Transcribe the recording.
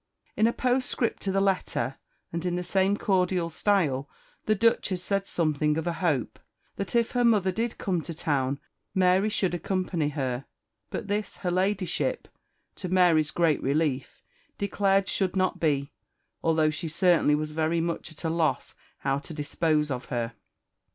In a postscript to the letter, and in the same cordial style, the Duchess said something of a hope, that if her mother did come to town, Mary should accompany her; but this her Ladyship, to Mary's great relief, declared should not be, although she certainly was very much at a loss how to dispose of her.